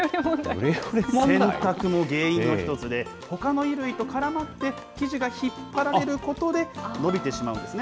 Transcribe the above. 洗濯も原因の１つで、ほかの衣類と絡まって、生地が引っ張られることで伸びてしまうんですね。